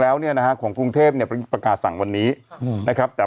แล้วเนี่ยนะฮะของกรุงเทพเนี่ยประกาศสั่งวันนี้นะครับแต่